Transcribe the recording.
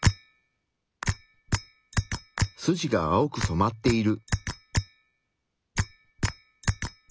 筋が青く染まっている。